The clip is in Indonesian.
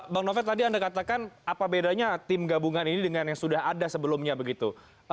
bang novel tadi anda katakan apa bedanya tim gabungan ini dengan yang sudah ada sebelumnya begitu